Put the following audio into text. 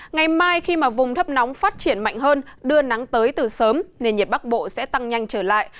ngày mai khi vùng thấp nóng phát triển mạnh hơn đưa nắng tới từ sớm nền nhiệt bắc bộ sẽ tăng nhanh trở lại